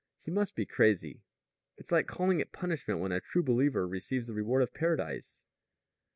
"He must be crazy. It's like calling it punishment when a true believer receives the reward of paradise."